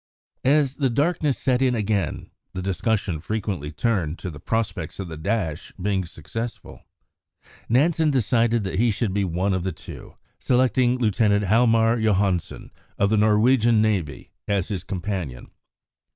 As the darkness set in again, the discussion frequently turned to the prospects of the dash being successful. Nansen decided that he should be one of the two, selecting Lieutenant Hjalmar Johansen, of the Norwegian Navy, as his companion.